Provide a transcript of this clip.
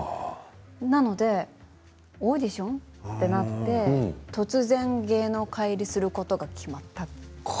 なのでオーディション？ってなって突然、芸能界入りすることが決まった。